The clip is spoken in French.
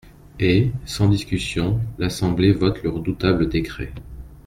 Et, sans discussion, l'Assemblée vote le redoutable décret.